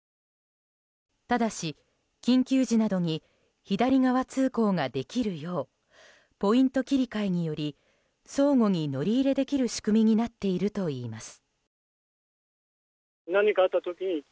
ただし、緊急時などに左側通行ができるようポイント切り替えにより相互に乗り入れできる仕組みになっているといいます。